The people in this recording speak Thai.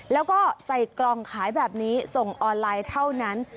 แล้วก็ใส่กล่องขายแบบนี้ส่งออนไลน์เท่านั้น